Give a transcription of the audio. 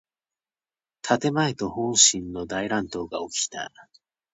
建前と本心の大乱闘がおきた。